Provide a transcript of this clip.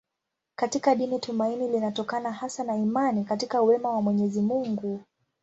Katika dini tumaini linatokana hasa na imani katika wema wa Mwenyezi Mungu.